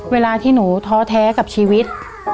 เวลาที่หนูท้อแท้กับชีวิต